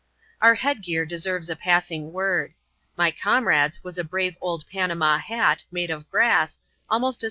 Our headgear deserves a passing word. My comrade's was a brave old Panama hat, made of grass, almost as.